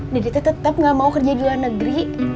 dede teh tetep gak mau kerja di luar negeri